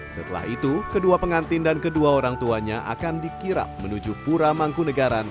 setelah itu kedua pengantin dan kedua orang tuanya akan dikirap menuju pura mangkunagaran